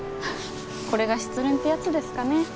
これが失恋ってやつですかね